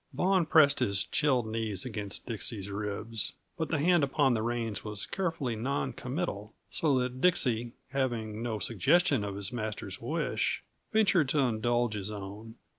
Vaughan pressed his chilled knees against Dixie's ribs, but the hand upon the reins was carefully non committal; so that Dixie, having no suggestion of his master's wish, ventured to indulge his own.